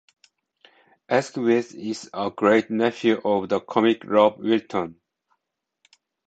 Askwith is a great-nephew of the comic Robb Wilton.